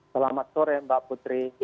selamat sore mbak putri